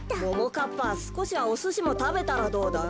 かっぱすこしはおすしもたべたらどうだい？